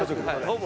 ほぼ。